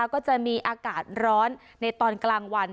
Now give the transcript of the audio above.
ก็จะมีอากาศร้อนในตอนกลางวัน